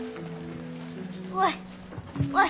おいおい。